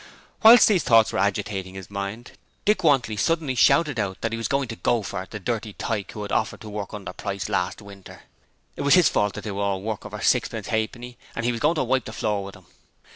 Whilst these thoughts were agitating his mind, Dick Wantley suddenly shouted out that he was going to go for the dirty tyke who had offered to work under price last winter. It was his fault that they were all working for sixpence halfpenny and he was going to wipe the floor with him.